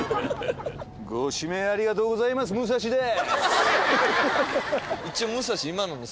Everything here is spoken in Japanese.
「ご指名ありがとうございます宗三蒔でぇす」。